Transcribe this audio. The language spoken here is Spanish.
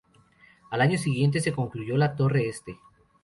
Al año siguiente se concluyó la torre este.